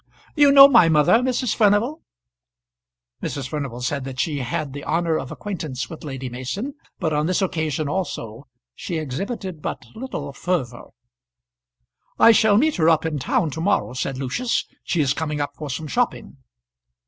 "You know my mother, Mrs. Furnival?" Mrs. Furnival said that she had the honour of acquaintance with Lady Mason; but on this occasion also she exhibited but little fervour. "I shall meet her up in town to morrow," said Lucius. "She is coming up for some shopping."